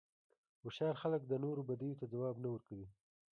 هوښیار خلک د نورو بدیو ته ځواب نه ورکوي.